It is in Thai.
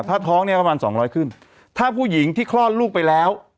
ถ้าท้องเนี่ยประมาณสองร้อยขึ้นถ้าผู้หญิงที่คลอดลูกไปแล้ว